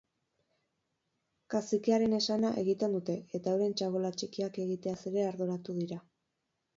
Kazikearen esana egiten dute eta euren txabola txikiak egiteaz ere arduratu dira.